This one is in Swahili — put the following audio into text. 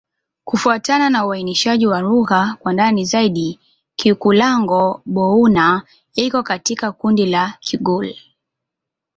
Kufuatana na uainishaji wa lugha kwa ndani zaidi, Kikulango-Bouna iko katika kundi la Kigur.